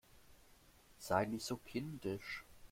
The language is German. Sei nicht so kindisch